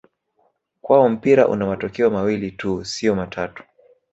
Kwao mpira una matokeo mawili tu sio matatu